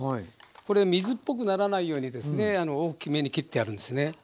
これ水っぽくならないように大きめに切ってあるんですね。